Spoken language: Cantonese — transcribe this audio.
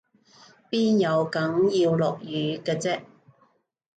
邊有梗要落雨嘅啫？